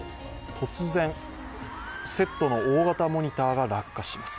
突然、セットの大型モニターが落下します。